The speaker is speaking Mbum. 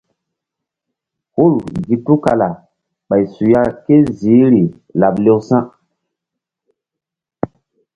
Hul gi tukala ɓay suya ké ziihri laɓ lewsa̧.